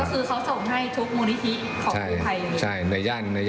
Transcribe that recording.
ก็คือเขาส่งให้ทุกมูลนิธิของกู้ภัยเลย